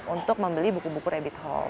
untuk membeli buku buku rabbit hall